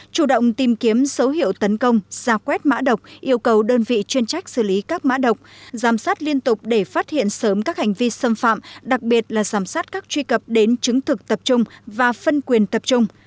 chủ động tìm kiếm số hiệu tấn công ra quét mã độc yêu cầu đơn vị chuyên trách xử lý các mã độc giảm sát liên tục để phát hiện sớm các hành vi xâm phạm đặc biệt là giảm sát các truy cập đến chứng thực tập trung và phân quyền tập trung